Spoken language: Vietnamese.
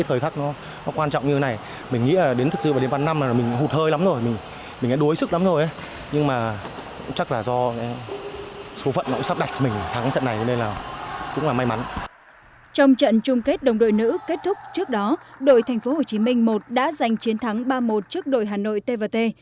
trong trận chung kết đồng đội nữ kết thúc trước đó đội tp hcm một đã giành chiến thắng ba một trước đội hà nội t và t